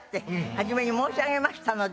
初めに申し上げましたので。